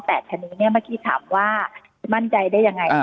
แต่ทีนี้เนี่ยเมื่อกี้ถามว่ามั่นใจได้ยังไง